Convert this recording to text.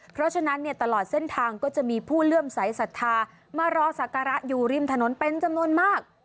เพราะฉะนั้นเนี่ยตลอดเส้นทางก็จะมีผู้เลื่อมใสสัทธามารอสักการะอยู่ริมถนนเป็นจำนวนมาก